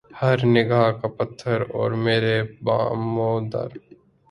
ہر نگاہ کا پتھر اور میرے بام و در